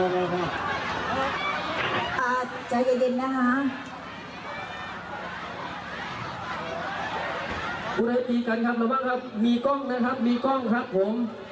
กุฏิตีกันครับระวังครับมีกล้องนะครับมีกล้องครับผม